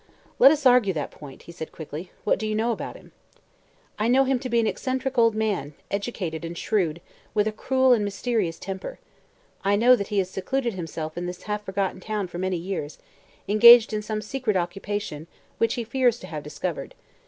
"Let us argue that point," he said quickly. "What do you know about him?" "I know him to be an eccentric old man, educated and shrewd, with a cruel and murderous temper; I know that he has secluded himself in this half forgotten town for many years, engaged in some secret occupation which he fears to have discovered.